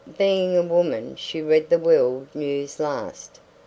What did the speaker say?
Being a woman she read the world news last.